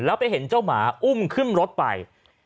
แล้วไปเห็นเจ้าหมาอุ้มขึ้นรถไป